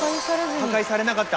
破壊されなかった？